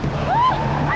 ular galuh lihat itu ular